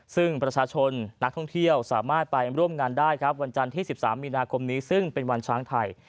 ซึ่งประชาชนนักท่องเที่ยวสามารถไปร่วมงานได้ครับวันจันทร์ที่๑๓มีนาคมนี้ซึ่งเป็นวันช้างไทย